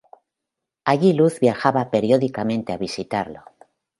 Allí Luz viajaba periódicamente a visitarlo.